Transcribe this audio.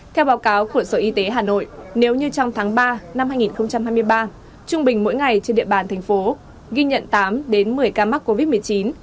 theo báo cáo của sở y tế hà nội nếu như trong tháng ba năm hai nghìn hai mươi ba trung bình mỗi ngày trên địa bàn thành phố ghi nhận tám đến một mươi ca mắc covid một mươi chín